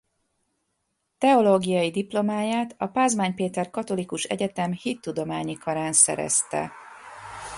Teológiai diplomáját a Pázmány Péter Katolikus Egyetem Hittudományi Karán szerezte.